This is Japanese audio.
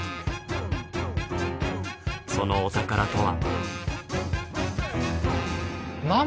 そのお宝とは。